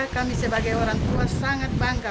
kami sebagai orang tua sangat bangga